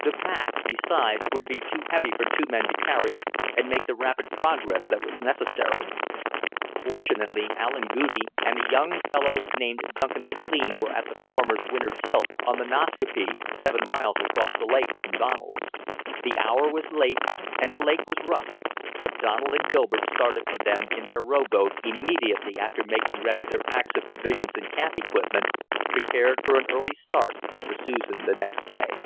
The packs, besides, would be too heavy for two men to carry and make the rapid progress that was necessary. Fortunately Allen Goudie and a young fellow named Duncan McLean were at the former's winter tilt on the Nascaupee, seven miles across the lake from Donald's. The hour was late and the lake was rough, but Donald and Gilbert started for them in their rowboat immediately after making ready their packs of provisions and camp equipment, prepared for an early start up the Susan the next day.